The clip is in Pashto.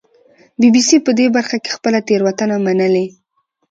بي بي سي په دې برخه کې خپله تېروتنه منلې